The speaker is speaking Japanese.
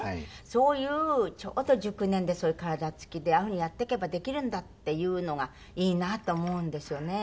そういうちょうど熟年でそういう体つきでああいうふうにやっていけばできるんだっていうのがいいなと思うんですよね。